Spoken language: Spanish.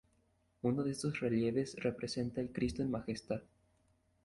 Uno de estos relieves representa el Cristo en Majestad.